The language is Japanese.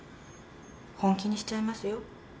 本気にしちゃいますよ。